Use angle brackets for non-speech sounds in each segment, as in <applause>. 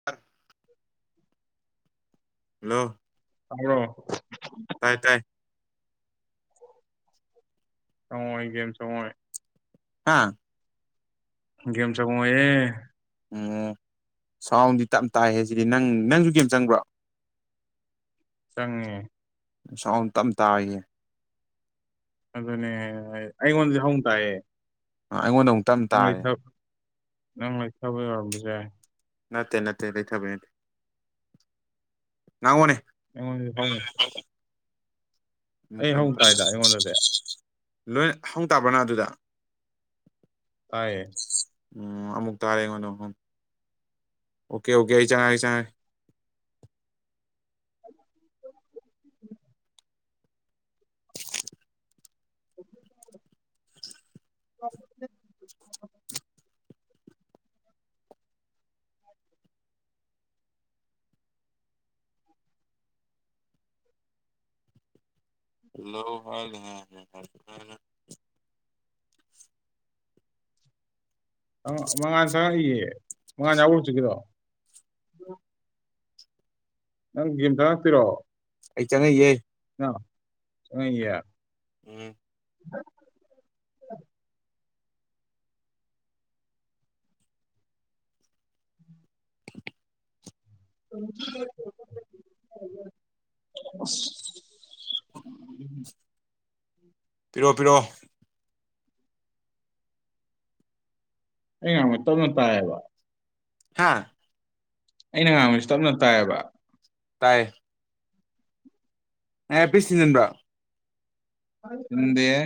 <unintelligible> <unintelligible> hello ꯇꯥꯕꯔꯣ ꯇꯥꯏ ꯇꯥꯏ <unintelligible> ꯍꯥꯥ ꯒꯦꯝ ꯆꯪꯉꯛꯑꯣꯌꯦ ꯑꯣ ꯁꯥꯎꯟꯗꯤ ꯇꯞ ꯇꯥꯏ ꯍꯥꯏ ꯁꯤꯗꯤ ꯅꯪ ꯅꯪꯁꯨ ꯒꯦꯝ ꯆꯪꯕ꯭ꯔꯣ ꯆꯪꯉꯦ ꯁꯥꯎꯟ ꯇꯞ ꯇꯥꯌꯦ ꯑꯗꯨꯅꯦ ꯑꯩꯉꯣꯟꯗꯤ ꯍꯧꯅ ꯇꯥꯢꯌꯦ ꯑꯥ ꯑꯩꯉꯣꯟꯗ ꯑꯃꯨꯛ ꯇꯞ ꯇꯥꯔꯦ ꯅꯪꯂꯩꯊꯥꯞ ꯅꯪꯂꯩꯊꯕꯒꯤ ꯑꫭꯏꯔꯝꯕꯁꯨ ꯌꯥꯏ ꯅꯠꯇꯦ ꯅꯠꯇꯦ ꯂꯩꯊꯕꯩ ꯅꯠꯇꯦ ꯉꯥꯟꯉꯥꯡꯑꫭꯅꯦ ꯑꯩꯉꫭꯏꯗꯗꯤ ꯐꯥꯎꯔꫭꯏ ꯎꯝ ꯇꯥꯞꯅ ꯍꯧꯅ ꯇꯧ ꯇꯥꯏꯗ ꯑꯩꯉꯣꯟꯗꯗꯤ <unintelligible> ꯂꯣꯏ ꯍꯧꯅ ꯇꯥꯕ꯭ꯔꫭ ꯑꯗꯨꯗ ꯇꯥꯏꯌꯦ ꯎꯝ ꯑꯃꯨꯛ ꯇꯥꯔꯦ ꯑꯩꯉꯣꯟ ꯑꯃꯨꯛ ꯑꯣꯀꯦ ꯑꯣꯀꯦ ꯑꯩ ꯆꯪꯉꯦ ꯑꯩ ꯆꯪꯉꯦ <unintelligible> <unintelligible> <unintelligible> <unintelligible> ꯃꯉꯥꯟ ꯆꯪꯉꯛꯏꯌꯦ ꯃꯉꯥꯟ ꯌꯥꯎꯕꯔꫭ ꯍꯧꯖꯤꯛꯀꯤꯗꯣ ꯅꯪ ꯒꯦꯝ ꯆꯪꯂꯥꯛꯇꯨꯏꯔꫭ ꯑꯩ ꯆꯪꯉꯥꯡꯏꯌꯦ ꯅꯪ ꯆꯪꯉꯥꯡꯏꯌꯦ ꯎꯝ <unintelligible> <unintelligible> ꯑꯁ ꯄꯤꯔꯛꯑꯣ ꯄꯤꯔꯛꯑꯣ ꯑꯩꯅ ꯉꯥꯡꯕꯁꯦ ꯇꯥꯞꯅ ꯇꯥꯏꯌꯦꯕ ꯍꯥꯥ ꯑꯩꯅ ꯉꯥꯡꯕꯁꯦ ꯇꯥꯞꯅ ꯇꯥꯏꯌꯦꯕ ꯇꯥꯏꯌꯦ ꯑꯦꯔꯄꯤꯁꯁ ꯊꯤꯟꯖꯤꯟꯕꯔ ꯊꯤꯟꯗꯦꯍꯦ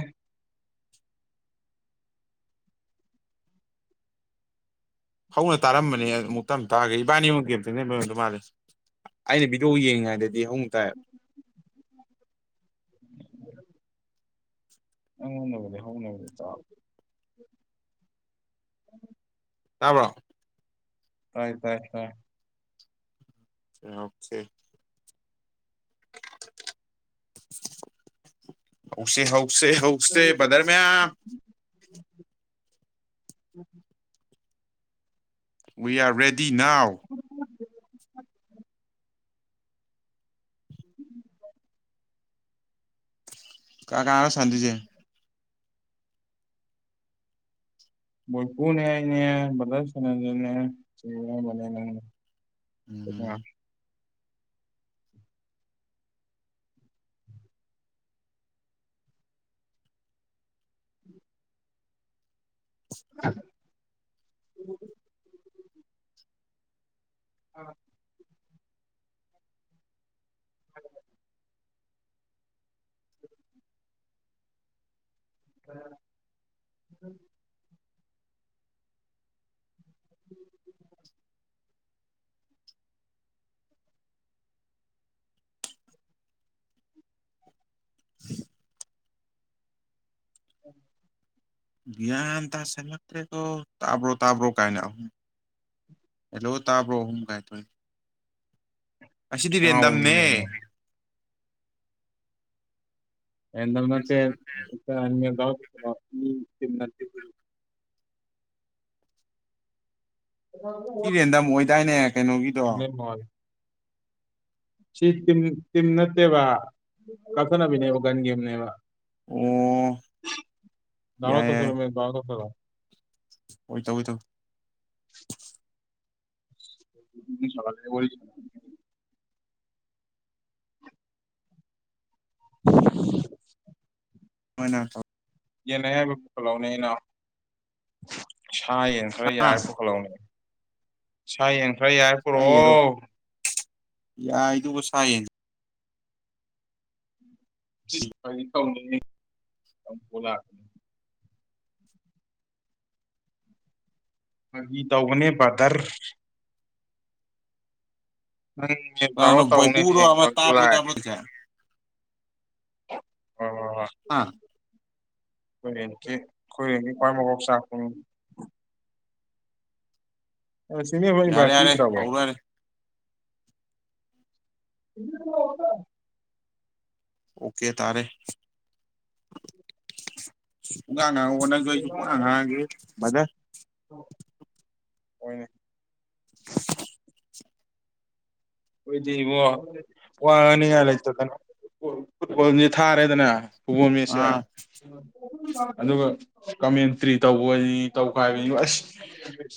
ꯍꯧꯅ ꯇꯥꯔꯝꯕꯅꯦ ꯑꯃꯨꯛ ꯇꯥꯞꯅ ꯇꯥꯈꯔꯦ ꯏꯕꯥꯅꯤ ꯑꯃꯨꯛ ꯒꯦꯝ ꯆꯪꯁꯤꯟꯕꯒꯤ ꯑꫭꯏꯔꯝꯗꯨ ꯃꯥꯜꯂꯦ ꯑꯩꯅ ꯕꯤꯗꯤꯑꯣ ꯌꯦꯡꯉꯩꯗꯗꯤ ꯍꯧꯅ ꯇꯥꯏ <inaudible> ꯑꯩꯉꯣꯟꯗꯥꯕꯨꯗꯤ ꯍꯧꯅꯕꯨꯗꯤ ꯇꯥꯕ ꯇꯥꯕ꯭ꯔꯣ ꯇꯥꯏ ꯇꯥꯏ ꯇꯥꯏ ꯑꯣꯀꯦ ꯍꯧꯁꯦ ꯍꯧꯁꯦ ꯍꯧꯁꯦ ꯕꯥꯗ꯭ꯔ ꯃꯌꯥꯝ ꯋꯤ ꯑꯔ ꯔꯦꯗꯤ ꯅꯥꯎ <unintelligible> ꯀꯥꯅ ꯀꯥꯅꯅꫭ ꯁꯥꯟꯅꯗꯨꯏꯁꯦ ꯃꫭꯏꯀꯨꯅꯦ ꯑꯩꯅꯦ ꯕꯥꯗ꯭ꯔ ꯁꫭꯅꯥꯟꯖꯤꯠꯅꯦ ꯆꯤꯡꯂꯦꯝꯕꯅꯦ ꯅꯪꯅꯦ ꯎꯝ <unintelligible> <unintelligible> ꯑꯥ <unintelligible> <unintelligible> <unintelligible> <inaudible> <unintelligible> ꯒꯤꯌꯥꯟ ꯇꯁꯤꯜꯂꯛꯇ꯭ꯔꯀꫭ ꯇꯥꯕ꯭ꯔꯣ ꯇꯥꯕ꯭ꯔꯣ ꯀꯥꯏꯅ ꯑꯍꯨꯝ ꯍꯜꯂꯣ ꯇꯥꯕ꯭ꯔꯣ ꯑꯍꯨꯝ ꯀꯒꯥꯏꯗꯧꯏ ꯑꯁꯤꯗꯤ ꯔꯦꯟꯗꯝꯅꯦ ꯃꯤꯅꯦꯃꯤ ꯔꯦꯟꯗꯝ ꯅꯠꯇꯦ <unintelligible> ꯁꯤ ꯔꯦꯟꯗꯝ ꯑꯣꯏꯗꯥꯏꯅꯦ ꯀꯩꯅꯣꯒꯤꯗꯣ ꯃꯥ ꯁꯤ ꯇꯝ ꯇꯤꯝ ꯅꯠꯇꯦꯕ ꯀꯛꯊꯅꯕꯤꯅꯦꯕ ꯒꯟꯒꯦꯝꯅꯦꯕ ꯑꯣ ꯗꯥꯔ ꯌꯥꯏ ꯌꯥꯏ ꯇꯁꯔ ꯇꯁꯂ ꯍꯣꯏ ꯆꯧ ꯆ ꯁꯂꯦ ꯋꯥꯔꯤ ꯎ ꯍꯣꯏꯅ ꯊ ꯌꯦꯦꯅ ꯍꯥꯏꯕ ꯐꯣꯀꯂꯥꯎꯅꯦꯩꯅ ꯁꯥꯏꯟꯁ ꯈꯈ꯭ꯔꯥꯏ ꯌꯥ ꯑꯥ ꯀꯣꯈꯂꯥꯎꯅꯦ ꯁꯥꯏꯡꯈ꯭ꯔꯥꯏ ꯌꯥꯏ ꯀꯣꯔꯣ ꯑꯩ ꯌꯦꯟꯗꯣ ꯌꯥꯏꯗꯨꯕꯨ ꯁꯥꯏꯌꯦ ꯇꯁ ꯐꯔꯤ ꯊꯥꯎꯅꯤ ꯀꯣ ꯂꯥꯛ ꯐꯒꯤ ꯇꯧꯕꯅꯦ ꯕꯗꯔ ꯅꯪ ꯌꯦ ꯇꯥꯔꯣ ꯀꯅꯥꯅꯣ ꯕꯣꯏꯄꯨꯔꯣ ꯑꯃ ꯇꯧꯅꯦꯍꯌꯦꯡ ꯪꯁꯨ ꯇꯥꯕ꯭ꯔꯣ ꯂꯥꯏ ꯇꯥꯕ꯭ꯔꯣ ꯇꯧꯏꯁꯦ ꯑꯣ ꯑꯥ ꯍꯨꯏꯔꯦꯟꯦ ꯀꯨꯏꯔꯦꯟꯦ ꯀ꯭ꯋꯥꯏ ꯃꯀꯣꯛ ꯆꯥꯛꯄꯅꯤ ꯌꯥꯔꯦ ꯌꯥꯔꯦ ꯁꯤꯅꯦꯕꯕꯥꯠꯤꯗ꯭ꯔꯕꯣ ꯇꯧꯔꯣ ꯌꯥꯔꯦ ꯏ ꯑꯣꯀꯦ ꯇꯥꯔꯦ ꯄꯨꯡꯀꯥꯡ ꯍꯥꯡꯉꯒ ꯍꯣꯠꯅꯖ ꯑꯩꯁꯨ ꯄꯨꯡꯉꯥꯡ ꯍꯥꯡꯉꯒꯦ ꯃꯖꯔ ꯑꯣꯏꯅꯦ <inaudible> ꯑꯈꯣꯏꯗꯤ ꯏꯕꯣ ꯋꯥꯉꯅꯤꯉꯥꯏ ꯂꯩꯇꯗꯅ ꯐꯨꯠꯕꯣꯜꯁꯦ ꯊꯥꯔꯦꯗꯅ ꯄꯕ ꯃꯦꯁꯌꯥ ꯑꯥ ꯑꯗꯨꯒ ꯀꯃꯦꯟꯇ꯭ꯔꯤ ꯇꯧꯕꯅꯤ ꯇꯧꯈꯥꯏ ꯍꯥꯏꯕꯅꯤ ꯑꯁ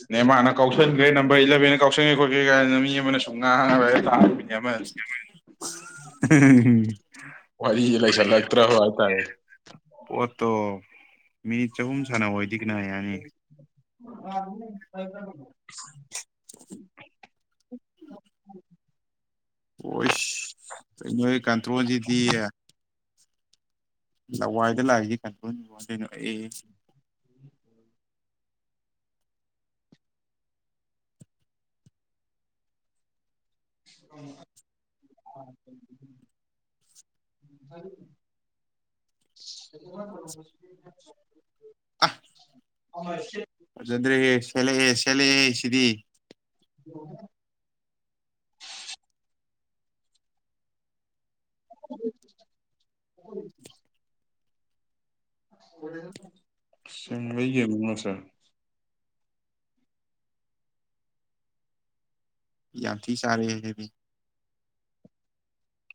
ꯅꯦꯃꯥꯔꯅ ꯀꯥꯎꯁꯟꯈ꯭ꯔꯦ ꯅꯝꯕꯔ ꯏꯂꯚꯦꯟ ꯀꯥꯎꯁꯟꯈ꯭ꯔꯦ ꯈꯣꯠꯀ꯭ꯔꯦ ꯀꯥꯏꯗꯅ ꯃꯤ ꯑꯃꯅ ꯁꯨꯝ ꯉꯥꯡꯉꯒ ꯝ ꯋꯥꯔꯤꯁꯤꯦ ꯂꯩꯁꯜꯂꯛꯇ꯭ꯔ ꯍꯥꯏꯇꯥꯔꯦ ꯄꯣꯠꯇꯣ ꯃꯤꯅꯤꯠ ꯆꯍꯨꯝ ꯁꯥꯟꯅꯕꯋꯥꯣꯏꯗꯤ ꯀꯅ ꯌꯥꯅꯤ ꯑ ꯑꯗꯨ ꯀ ꯍꯣꯏ ꯅꯣꯏ ꯀꯟꯇ꯭ꯔꯣꯁꯤꯗꯤꯌꯦ ꯂꯋꯥꯏꯗ ꯂꯥꯛꯏꯁꯦ ꯀꯟꯗꯗꯣꯏꯅꯣ ꯑꯦ ꯎꯝ ꯎ ꯑ ꯑꯣ ꯑꯗꯨꯗꯗ꯭ꯔꯦ ꯁꯦꯂ ꯁꯦꯂꯦ ꯁꯤꯗꯤ ꯑꯣ ꯎꯝ ꯎꯝ ꯁꯤ ꯂꯩꯒꯅꯁꯦ ꯌꯥ ꯊꯤ ꯁꯥꯥꯔꯦꯦ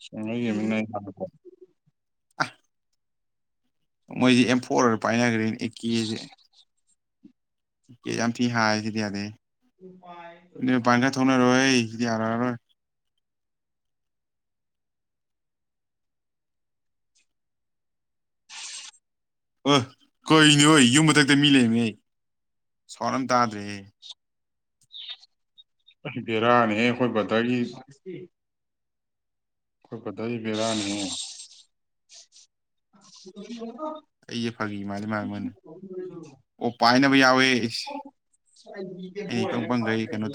ꯁꯤꯉ ꯌꯦꯃꯤꯕꯀꯣ ꯃꯣꯏꯁꯤ ꯑꯦꯝꯐꯣꯔ ꯑꯣꯏꯔ ꯄꯥꯏꯅꯈ꯭ꯔꯦꯅꯦ ꯑꯦꯛ ꯀꯦꯁꯦ ꯑ ꯏꯀꯦ ꯌꯥꯝ ꯊꯤ ꯍꯥꯏꯁꯤꯗꯤ ꯌꯥꯗꯦ ꯎꯄꯥꯥꯏ ꯀꯅꯔꯣ ꯁꯤꯗꯤꯔꯔꯣꯏ ꯑꯍ ꯀꯩꯅꯤ ꯍꯣꯏ ꯌꯨꯝ ꯃꯊꯛꯇ ꯃꯤ ꯂꯩꯃꯦ ꯑꯩ ꯁꯋꯥꯔ ꯑꯃ ꯇꯥꯗ꯭ꯔꯦ ꯕꯦꯔꯥꯅꯦꯍꯦ ꯑꯩꯈꯣꯏ ꯕꯗꯔꯒꯤ ꯑꯩꯈꯣꯏ ꯄꯇꯥꯏ ꯕꯔꯥꯅꯤ ꯎ ꯑꯩꯁꯦ ꯐꯒꯤ ꯃꯥꯂ ꯃꯥꯅꯤ ꯃꯥꯅ ꯑꯣ ꯄꯥꯏꯅꯕ ꯌꯥꯎꯋꯦ ꯑꯩꯁ ꯣꯔ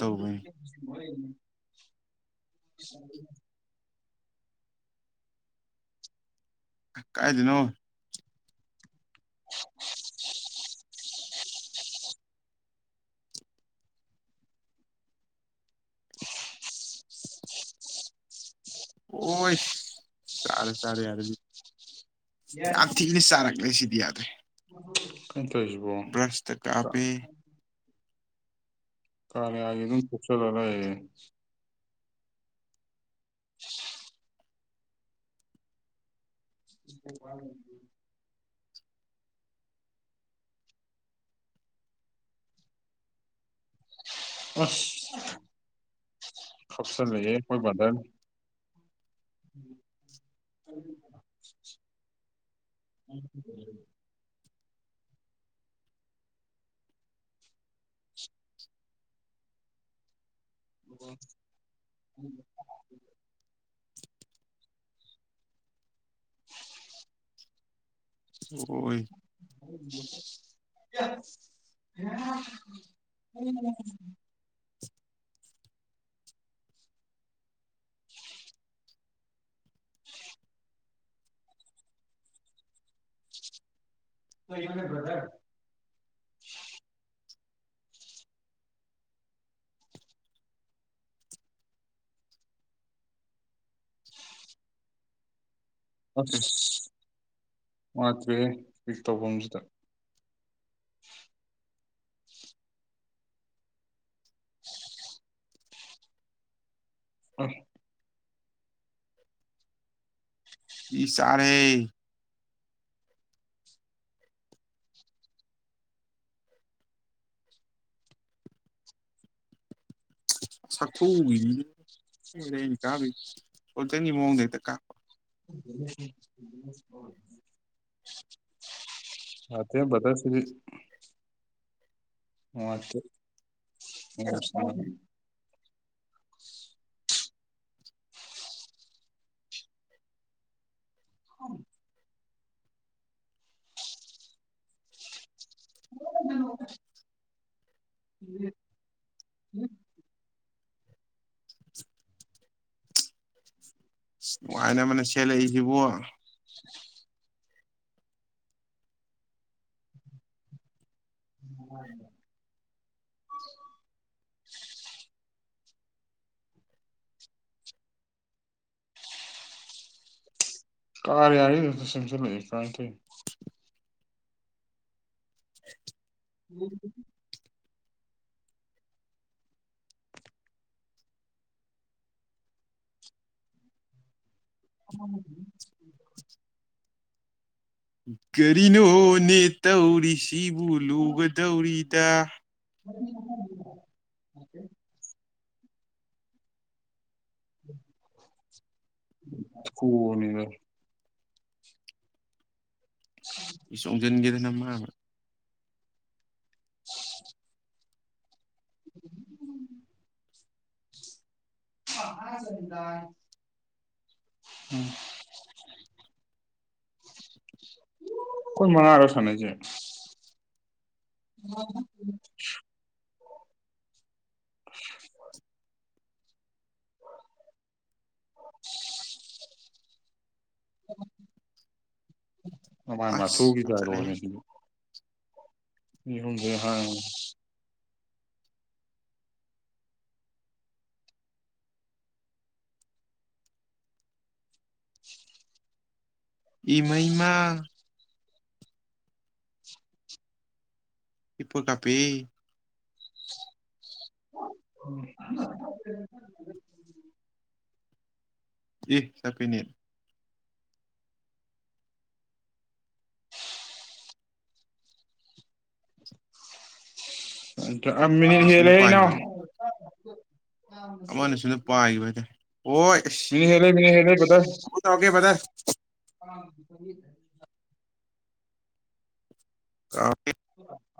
ꯇꯧꯔꯨꯕꯩꯅꯤ ꯀꯥꯏꯗꯅꯣ ꯑꯣ ꯁꯔꯦ ꯁꯔꯦ ꯌꯥꯔꯦ ꯌꯥꯝ ꯊꯤꯅ ꯆꯥꯔꯛꯂꯦ ꯁꯤꯗꯤ ꯌꯥꯗ꯭ꯔꯦ ꯀꯩꯅ ꯇꯁꯤꯕꯣ ꯕ꯭ꯔꯁꯇ ꯀꯥꯞꯄꯦ ꯀꯅ ꯑ ꯑꯗꯨꯝ ꯄꯨꯁꯂꯂꯑꯌꯦ <unintelligible> ꯏ ꯋꯥ ꯑ ꯁꯞꯁ ꯂꯩꯌꯦ ꯀꯣꯏ ꯗ ꯎ ꯎ ꯎ ꯎꯝ ꯎ ꯍ <unintelligible> ꯏꯅꯦꯕꯊꯥ ꯑꯁ <unintelligible> ꯇꯧꯕꯝꯁꯤꯗ ꯑ ꯃꯤ ꯆꯥꯔꯦ ꯁꯛꯊꯨꯒꯤ ꯃꯤꯅꯤ <unintelligible> <unintelligible> <unintelligible> <inaudible> ꯍ <inaudible> ꯅꯨꯡꯉꯥꯏ ꯑꯃꯅ ꯁꯦꯠꯂꯛꯏꯁꯤꯕꯣ <unintelligible> <unintelligible> <unintelligible> ꯎꯝ <unintelligible> ꯀꯔꯤꯅꯣꯅꯦ ꯇꯧꯔꯤꯁꯤꯕꯨ ꯂꯨꯒꯗꯧꯔꯤꯗ <inaudible> <unintelligible> ꯆꯣꯡꯖꯟꯒꯦꯗꯅ ꯅꯃꯥꯏꯃꯠ <unintelligible> ꯎꯝ <inaudible> ꯈꯣꯏ ꯃꯉꯥꯔ ꯁꯥꯅꯩꯖꯦ <inaudible> <unintelligible> <inaudible> ꯑꯁ ꯅꯃꯥꯏꯃꯊꯨꯒꯤ ꯀꯥꯞꯆꯠꯂꯦꯍꯦ <unintelligible> ꯁꯤꯗꯤ <unintelligible> ꯏ ꯃꯩꯃ ꯏꯄꯣ ꯀꯥꯄꯤ <inaudible> ꯏ ꯆꯞꯄꯤꯅꯦ ꯑ ꯑꯁ ꯃꯤꯅꯤꯠ ꯑꯁꯣꯝꯗ ꯍꯦꯟꯂꯦꯍꯦ ꯏꯅꯥꯎ ꯄꯥꯏꯈꯤꯕ ꯑꯃꯅ ꯁꯣꯝꯗ ꯄꯥꯏꯈꯤꯕ ꯍꯥꯏꯇꯥꯔꯦ ꯍꯣꯏ ꯃꯤꯅꯤ ꯑꯁ ꯍꯦꯜꯂꯦ ꯃꯤꯅꯤꯠ ꯍꯦꯜꯂꯦ ꯕꯥꯗꯔ ꯇꯧꯔꯛꯀꯦ ꯕꯥꯗꯔ ꯑ <unintelligible> ꯑꯣ